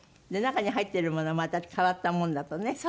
で中に入ってるものまた変わったもんだとね。